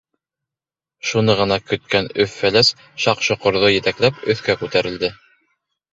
Шуны ғына көткән Өф-Фәләс, Шаҡ-Шоҡорҙо етәкләп, өҫкә күтәрелде.